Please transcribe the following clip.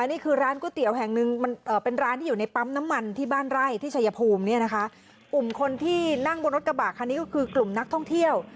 นี่คือร้านก๋วยเตี๋ยวแห่งหนึ่งมันเป็นร้านที่อยู่ในปั๊มน้ำมันที่บ้านไร่ที่ชายภูมิเนี่ยนะคะกลุ่มคนที่นั่งบนรถกระบะคันนี้ก็คือกลุ่มนักท่องเที่ยว